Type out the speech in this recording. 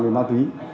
với ma túy